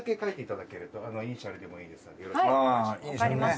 よろしくお願いします。